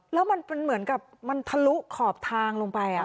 แล้วมันเหมือนกับมันทะลุขอบทางลงไป